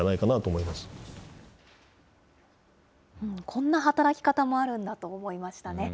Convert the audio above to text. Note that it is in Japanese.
こんな働き方もあるんだと思いましたね。